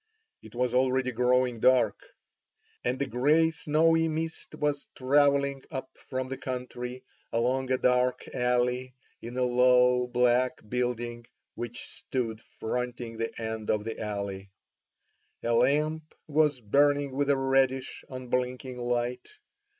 It was already growing dark, and a grey snowy mist was travelling up from the country, along a dark alley; in a low black building, which stood fronting the end of the alley, a lamp was burning with a reddish, unblinking light.